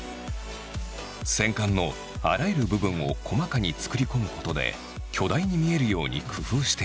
戦艦のあらゆる部分を細かに作り込むことで巨大に見えるように工夫している。